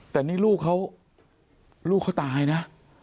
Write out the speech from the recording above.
แต่นี่ลูกเขาลูกเขาตายนะ